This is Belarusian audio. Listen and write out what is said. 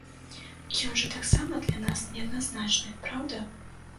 Ён жа таксама для нас неадназначны, праўда?